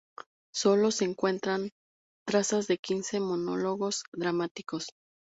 Solo se encuentran trazas de quince monólogos dramáticos.